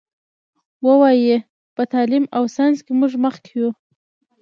وایي: په تعلیم او ساینس کې موږ مخکې یو.